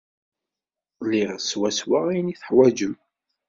Liɣ swaswa ayen ay teḥwajem.